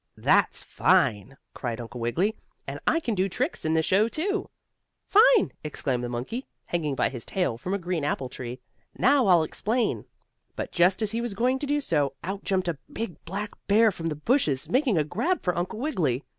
"That's fine!" cried Uncle Wiggily. "And I can do tricks in the show, too." "Fine!" exclaimed the monkey, hanging by his tail from a green apple tree. "Now, I'll explain." But, just as he was going to do so, out jumped a big black bear from the bushes, making a grab for Uncle Wiggily.